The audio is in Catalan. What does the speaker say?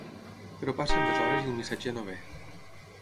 Però passen les hores i el missatger no ve.